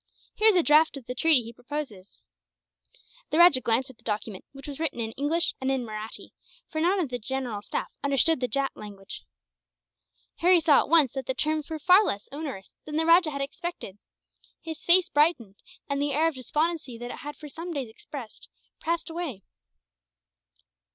Here is a draft of the treaty that he proposes." The rajah glanced at the document, which was written in English and in Mahratti, for none of the general's staff understood the Jat language. Harry saw, at once, that the terms were far less onerous than the rajah had expected; for his face brightened, and the air of despondency that it had for some days expressed passed away.